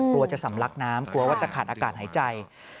กลัวจะสำลักน้ำกลัวว่าจะขาดอากาศหายใจ